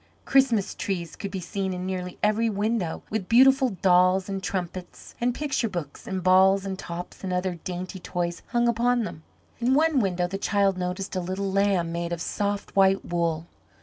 Christmas trees could be seen in nearly every window, with beautiful dolls and trumpets and picture books and balls and tops and other dainty toys hung upon them. In one window the child noticed a little lamb made of soft white wool.